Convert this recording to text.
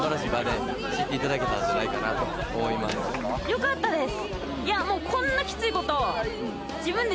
よかったです。